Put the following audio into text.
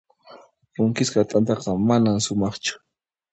Punkisqa t'antaqa manan sumaqchu.